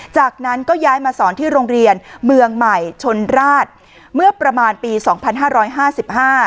จากนั้นก็ย้ายมาสอนที่โรงเรียนเมืองใหม่ชนราชเมื่อประมาณปีสองพันห้าร้อยห้าสิบห้า